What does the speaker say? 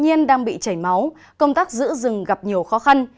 nhiên đang bị chảy máu công tác giữ rừng gặp nhiều khó khăn